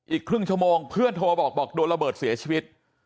อีกครึ่งชั่วโมงเพื่อนโทรบอกบอกโดนระเบิดเสียชีวิต